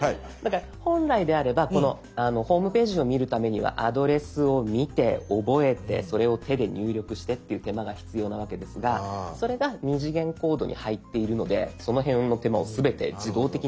本来であればこのホームページを見るためにはアドレスを見て覚えてそれを手で入力してっていう手間が必要なわけですがそれが２次元コードに入っているのでその辺の手間を全て自動的にやってくれたと。